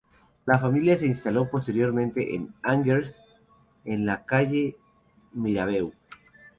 La familia se instaló posteriormente en Angers, en la calle Mirabeau.